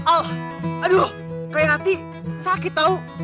aduh kayati sakit tau